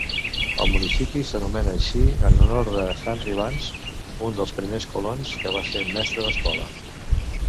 El municipi s'anomena així en honor de Henry Vance, un dels primers colons que va ser mestre d'escola.